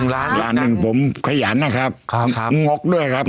๑ล้านหนึ่งผมขยันนะครับง็อกด้วยครับ